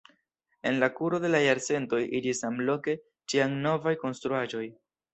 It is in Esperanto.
En la kuro de la jarcentoj iĝis samloke ĉiam novaj konstruaĵoj.